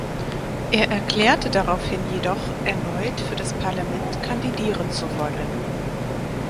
Er erklärte daraufhin jedoch erneut für das Parlament kandidieren zu wollen.